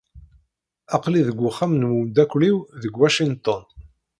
Aql-i deg uxxam n wemdakel-iw deg Washington.